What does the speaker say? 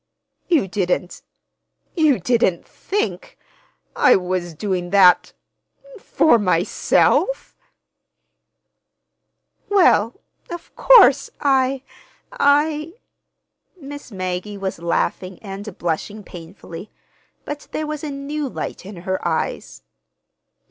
"You didn't—you didn't think—I was doing that—for myself?" "Well, of course, I—I—" Miss Maggie was laughing and blushing painfully, but there was a new light in her eyes.